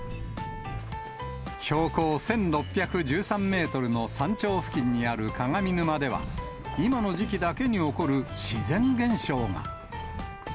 標高１６１３メートルの山頂付近にある鏡沼では、今の時期だけに起こる自然現象が。